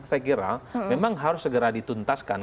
saya kira memang harus segera dituntaskan